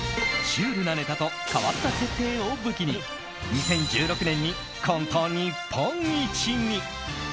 シュールなネタと変わった設定を武器に２０１６年にコント日本一に。